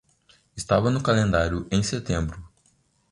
Estava no calendário em setembro.